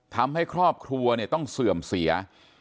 ทำให้ครอบครัวเนี่ยต้องเสื่อมเสีย